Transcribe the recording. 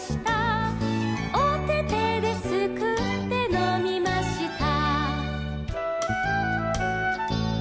「おててですくってのみました」